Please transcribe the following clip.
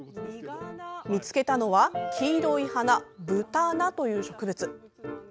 見つけたのは、黄色い花ブタナという植物。